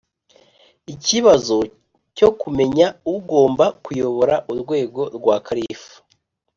ikibazo cyo kumenya ugomba kuyobora urwego rwa kalifu